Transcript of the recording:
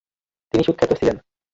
তিনি সুখ্যাত ছিলেন।